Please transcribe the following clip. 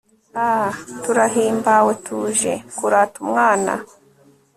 aaa; turahimbawe tuje kurata umwana